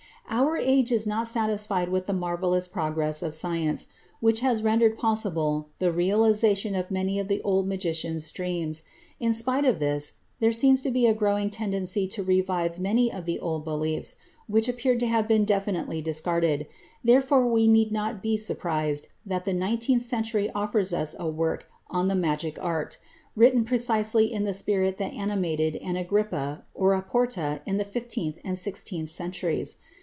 Our age is not satisfied with the marvellous progress of science, which has rendered possible the realization of many of the old magicians' dreams. In spite of this there seems to be a growing tendency to revive many of the old beliefs which appeared to have been definitely discarded; therefore we need not be surprised that the nineteenth century offers us a work on the magic art, written precisely in the spirit that animated an Agrippa or a Porta in the fifteenth and sixteenth centuries.